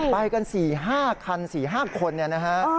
ไปกัน๔๕คัน๔๕คนนะครับ